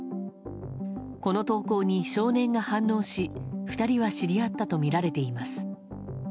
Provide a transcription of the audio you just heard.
この投稿に少年が反応し、２人は知り合ったとみられています。